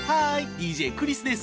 ＤＪクリスです。